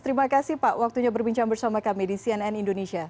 terima kasih pak waktunya berbincang bersama kami di cnn indonesia